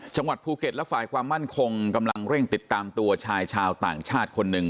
จังหวัดภูเก็ตและฝ่ายความมั่นคงกำลังเร่งติดตามตัวชายชาวต่างชาติคนหนึ่ง